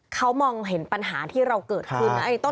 เขามองเห็นปัญหาที่เราเกิดขึ้น